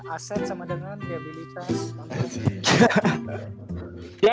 aset sama dengan viabilitas